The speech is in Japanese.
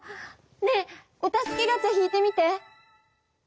ねえお助けガチャ引いてみて！